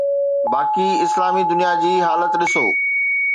باقي اسلامي دنيا جي حالت ڏسو.